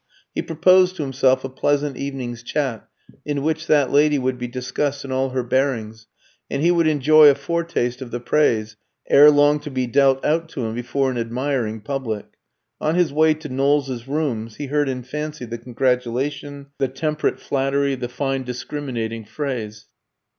He proposed to himself a pleasant evening's chat, in which that lady would be discussed in all her bearings, and he would enjoy a foretaste of the praise ere long to be dealt out to him before an admiring public. On his way to Knowles's rooms he heard in fancy the congratulation, the temperate flattery, the fine discriminating phrase.